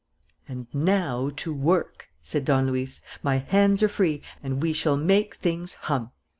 "And now to work!" said Don Luis. "My hands are free, and we shall make things hum."